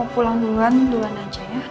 pulang duluan duluan aja ya